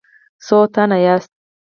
څو تنه یاست؟